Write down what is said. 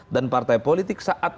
dan partai politik saat berada di situ